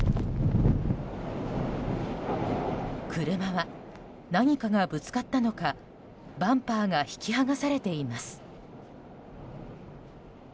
車は、何かがぶつかったのかバンパーが引き剥がされています。